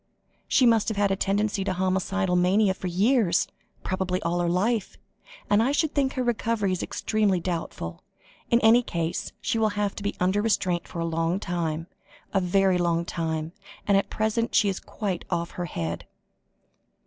"She must have had a tendency to homicidal mania for years, probably all her life, and I should think her recovery is extremely doubtful. In any case, she will have to be under restraint for a long time, a very long time, and at present she is quite off her head."